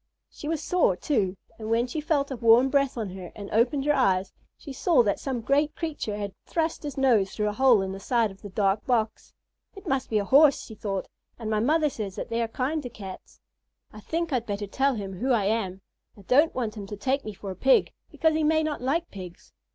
She was sore, too, and when she felt a warm breath on her and opened her eyes, she saw that some great creature had thrust his nose through a hole in the side of the dark box. "It must be a Horse," she thought, "and my mother says that they are kind to Cats. I think I'd better tell him who I am. I don't want him to take me for a Pig, because he may not like Pigs."